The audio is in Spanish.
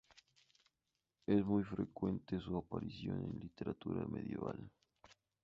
Es muy frecuente su aparición en la literatura medieval.